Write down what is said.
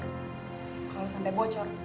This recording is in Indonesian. kalau sampai bocor